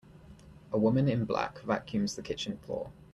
A woman in black vacuums the kitchen floor.